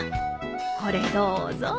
これどうぞ。